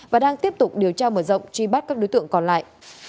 và đang tiếp tục điều tra mở rộng truy bắt các đối tượng còn lại